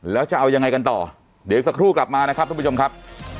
แล้วจะเอายังไงกันต่อเดี๋ยวอีกสักครู่กลับมานะครับทุกผู้ชมครับ